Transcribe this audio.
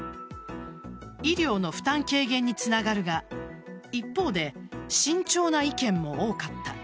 医療の負担軽減につながるが一方で慎重な意見も多かった。